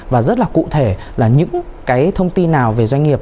và rất là cụ thể là những cái thông tin nào về doanh nghiệp